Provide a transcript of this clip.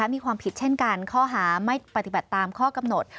มีความผิดเช่นกันข้อหาไม่ปฏิบัติตามข้อกำหนด